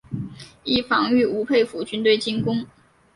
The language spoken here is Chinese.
以防御吴佩孚军队进攻。